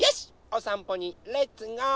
おさんぽにレッツゴー！